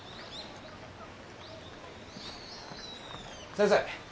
先生。